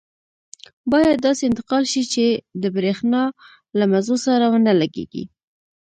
باید داسې انتقال شي چې د بریښنا له مزو سره ونه لګېږي.